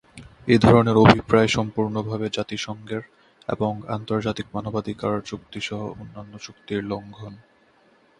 এ ধরনের অভিপ্রায় সম্পূর্ণভাবে জাতিসংঘের এবং আন্তর্জাতিক মানবাধিকার চুক্তিসহ অন্যান্য চুক্তির লঙ্ঘন।